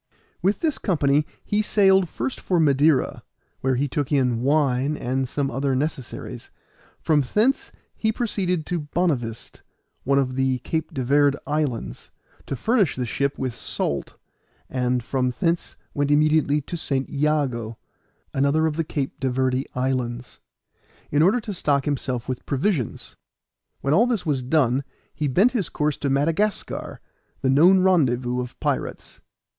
With this company he sailed first for Madeira, where he took in wine and some other necessaries; from thence he proceeded to Bonavist, one of the Cape de Verde islands, to furnish the ship with salt, and from thence went immediately to St. Jago, another of the Cape de Verde islands, in order to stock himself with provisions. When all this was done he bent his course to Madagascar, the known rendezvous of pirates.